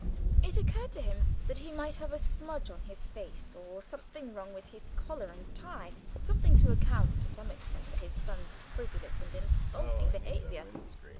It occurred to him that he might have a smudge on his face or something wrong with his collar and tie something to account to some extent for his son's frivolous and insulting behaviour.